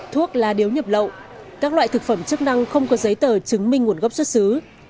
thuốc lá điếu nhập lậu các loại thực phẩm chức năng không có giấy tờ chứng minh nguồn gốc xuất xứ